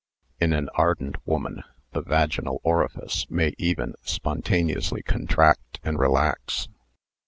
In an ardent woman the vaginal orifice may even spontaneously contract and relax.